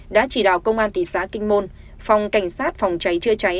đã chỉ đào công an thị xác kinh môn phòng cảnh sát phòng cháy chưa cháy